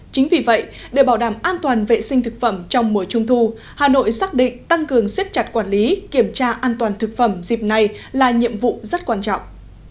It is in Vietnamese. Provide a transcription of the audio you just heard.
chính vì vậy để bảo đảm an toàn vệ sinh thực phẩm trong mùa trung thu hà nội xác định tăng cường siết chặt quản lý kiểm tra an toàn thực phẩm dịp này là nhiệm vụ rất quan trọng